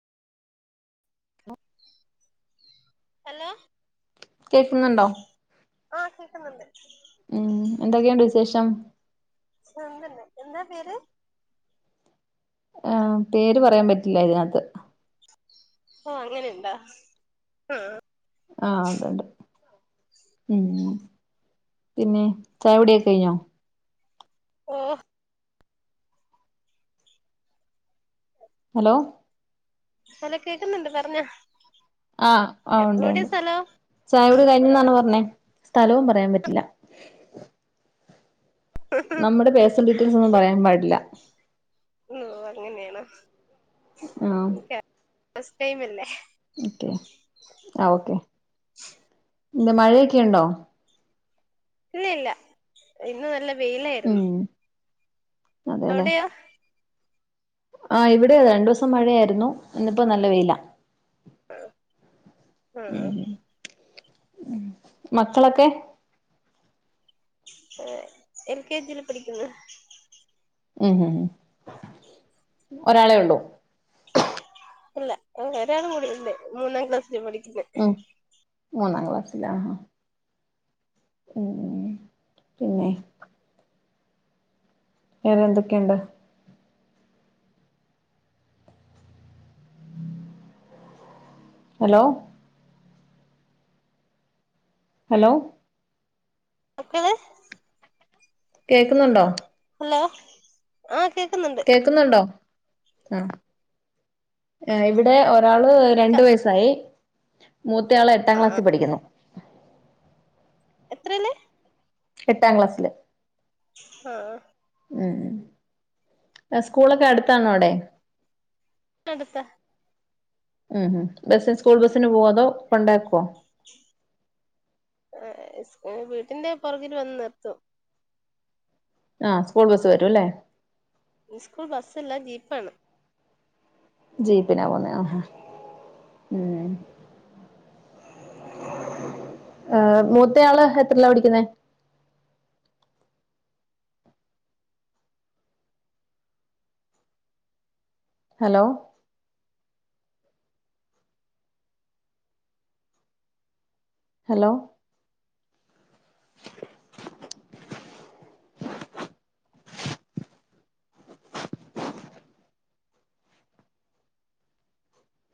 hello കേക്കുന്നുണ്ടോ കമണ്ട് ഉം എന്തൊക്കെയുണ്ട് വിശേഷം സുഗന്ദന്ന എന്താ പേര് ആഹ പേര് പറയാൻ പറ്റില്ല ഇതിനകത്ത് ആഹ് അങ്ങനെയുണ്ടാ ആ ആഹ് ഉണ്ട് ഉണ്ട് ഉം പിന്നെ ചായകുടിയൊക്കെ കഴിഞ്ഞോ ഓഹ് ഹലോ ഹലോ കേക്കുന്നുണ്ട് പറഞ്ഞോ ആഹ് ആ ഉണ്ട് എവിടെയാ ഉണ്ട് സ്ഥലം ചായകുടി കഴിഞ്ഞീന്നാണോ പറഞ്ഞേ സ്ഥലവും പറയാൻ പറ്റില്ല നമ്മുടെ പേഴ്സണൽ ഡീറ്റെയിൽസ് ഒന്നും പറയാൻ പാടില്ല ഓഹ് അങ്ങനെയാണോ ആഹ് ഫസ്റ്റൈമല്ലേ ഓക്കെ ആ ഓക്കെ ന്താ മഴയൊക്കെുണ്ടോ ഇല്ല ഇല്ല ഇന്ന് നല്ല വെയിലായിരുന്നു ഉം അതെല്ലേ അവിടെയാ ആഹ് ഇവിടെ രണ്ടോസം മഴയായിരുന്നു ഇന്നിപ്പോ നല്ല വെയിലാ ആ ആഹ് ഉം മക്കളൊക്കെ ഏ എൽ കെ ജിയില് പഠിക്കുന്നു ഉം ഉം ഉം ഒരാളെ ഒള്ളൂ ഇല്ല ഒരാണുംകൂടിയുണ്ട് മൂന്നാം ക്ലാസ്സിൽ പഠിക്കു ഉം മൂന്നാം ക്ലാസ്സിലാ ഉം ഉം പിന്നെ വേറെ എന്തൊക്കെയുണ്ട് ഹലോ ഹലോ ഒക്കത് കേക്കുന്നുണ്ടോ ഹലോ ആഹ് കേക്കുന്നുണ്ട് കേക്കുന്നുണ്ടോ ആ ഏ ഇവിടെ ഒരാള് രണ്ട് കേക്കാം വയസായി മൂത്തയാളെ എട്ടാ ആഹ് ക്ലാസ്സിൽ ആഹ് പഠിക്കുന്നു എത്രേല്ല് എട്ടാം ക്ലാസ്സില് ആഹ് ആ ഉം സ്കൂളൊക്കെ അടുത്താണോ ആടെ എടുത്താ ഉം ബസ്സ് സ്കൂൾ ബസ്സ് ന് പോവോ അതോ കൊണ്ടാക്കോ ഏ വീട്ടിന്റെ പുറകിൽ വന്ന് നിർത്തും ആ സ്കൂൾ ബസ്സ് വരൂല്ലേ സ്കൂൾ ബസ്സല്ല ജീപ്പാണ് ജീപ്പിനാ പോവുന്നേ ആഹ ഉം ഏ മൂത്തയാള് എത്രല്ലാ പടിക്കുന്നേ [inaudible] ഹലോ ഹലോ [inaudible]